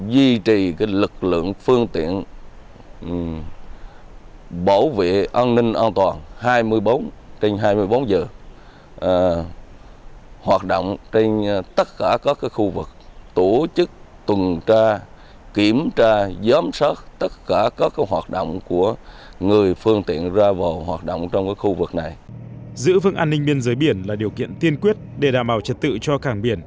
giữ vững an ninh biên giới biển là điều kiện tiên quyết để đảm bảo trật tự cho cảng biển